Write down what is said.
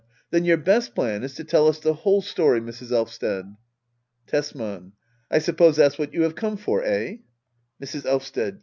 Then your best plan is to tell us the whole story, Mrs. Elvsted. Tesman. I suppose that's what you have come for — eh ? Mrs. Elvsted.